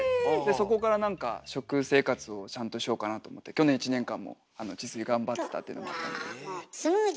そこから何か食生活をちゃんとしようかなと思って去年１年間も自炊頑張ってたっていうのもあって。